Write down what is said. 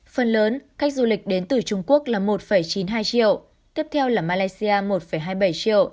phần lớn khách du lịch đến từ trung quốc là một chín mươi hai triệu tiếp theo là malaysia một hai mươi bảy triệu